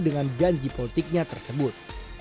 dengan janji politiknya tersebut